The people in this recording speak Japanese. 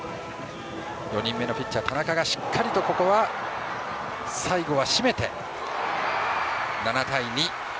４人目のピッチャー田中がしっかりと最後は締めて７対２。